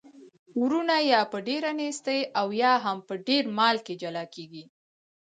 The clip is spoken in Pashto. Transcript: وروڼه یا په ډیره نیستۍ او یا هم په ډیر مال کي جلا کیږي.